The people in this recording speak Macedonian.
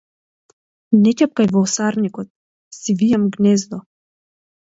Не чепкај во осарникот, си вијам гнездо!